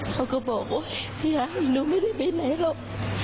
เขาก็บอกโอ๊ยไม่อยากให้หนูไม่ได้ไปไหนหรอก